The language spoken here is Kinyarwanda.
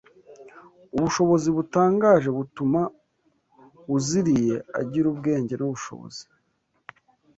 ubushobozi butangaje butuma uziriye agira ubwenge n’ubushobozi